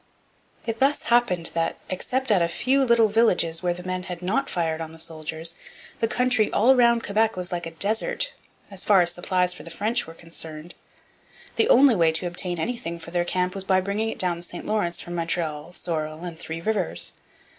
It thus happened that, except at a few little villages where the men had not fired on the soldiers, the country all round Quebec was like a desert, as far as supplies for the French were concerned. The only way to obtain anything for their camp was by bringing it down the St Lawrence from Montreal, Sorel, and Three Rivers.